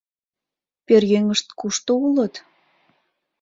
Пӧръеҥышт кушто улыт?